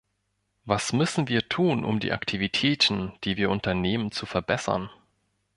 Was müssen wir tun, um die Aktivitäten, die wir unternehmen, zu verbessern?